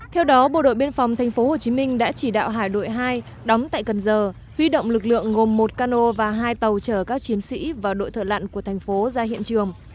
theo đó bộ đội biên phòng thành phố hồ chí minh đã chỉ đạo hải đội hai đóng tại cần giờ huy động lực lượng ngồm một cano và hai tàu chở các chiến sĩ và đội thợ lặn của thành phố ra hiện trường